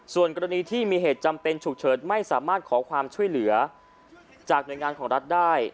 ส่วนกรณีที่มีเหตุจำเป็นฉุกเฉินไม่สามารถขอความช่วยเหลือจากหน่วยงานของรัฐได้